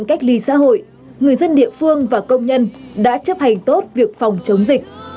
các người dân địa phương và công nhân đã chấp hành tốt việc phòng chống dịch